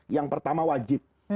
yang pertama wajib